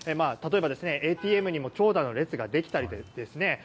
例えばＡＴＭにも長蛇の列ができたりですね